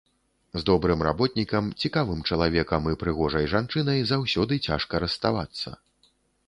З добрым работнікам, цікавым чалавекам і прыгожай жанчынай заўсёды цяжка расставацца.